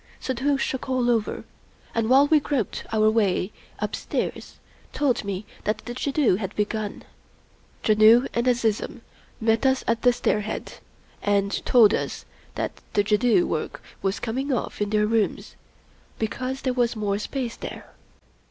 Suddhoo shook all over, and while we groped our way upstairs told me that the jadoo had begun. Janoo and Azizun met us at the stair head, and told us that the jadoo work was coming off in their rooms, because there was more space there.